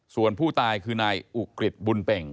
ส่วนผู้ตายคือนายอุกฤษบุญเป่ง